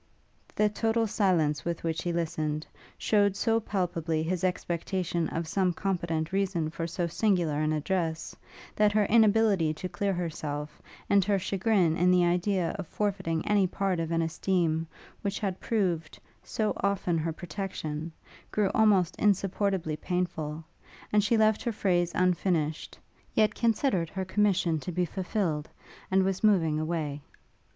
The total silence with which he listened, shewed so palpably his expectation of some competent reason for so singular an address, that her inability to clear herself, and her chagrin in the idea of forfeiting any part of an esteem which had proved so often her protection, grew almost insupportably painful, and she left her phrase unfinished; yet considered her commission to be fulfilled, and was moving away.